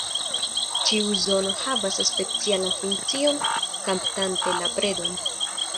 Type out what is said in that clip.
Ĉiu zono havas specialan funkcion kaptante la predon.